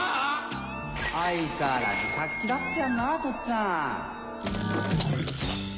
相変わらず殺気立ってやんなとっつあん。